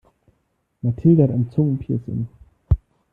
Mathilde hat ein Zungenpiercing.